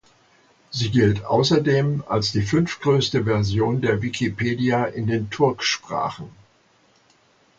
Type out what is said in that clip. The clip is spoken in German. Sie gilt außerdem als die fünftgrößte Version der Wikipedia in den Turksprachen.